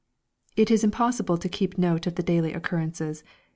_ It is impossible to keep note of the daily occurrences.